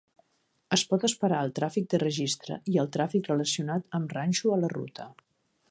Es pot esperar el tràfic de registre i el tràfic relacionat amb ranxo a la ruta.